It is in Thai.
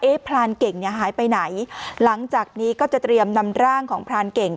พรานเก่งเนี่ยหายไปไหนหลังจากนี้ก็จะเตรียมนำร่างของพรานเก่ง